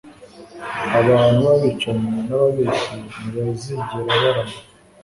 abantu b'abicanyi n'ababeshyi ntibazigera barama